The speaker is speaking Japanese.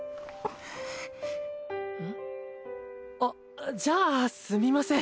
えっ？あっじゃあすみません